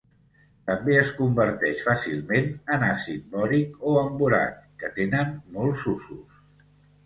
També es converteix fàcilment en àcid bòric o en borat, que tenen molts usos.